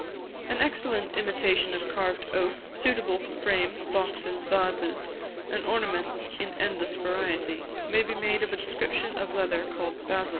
An excellent imitation of carved oak, suitable for frames, boxes, vases, and ornaments in endless variety, may be made of a description of leather called basil.